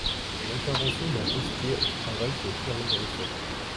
L'intervention d'un postier au travail fait fuir l'agresseur.